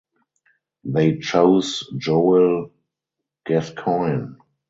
They chose Joel Gascoyne.